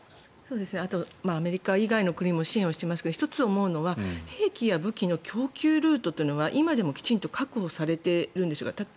あと、アメリカ以外の国も支援していますが１つ思うのは兵器や武器の供給ルートというのは今でもきちんと確保されているんでしょうか。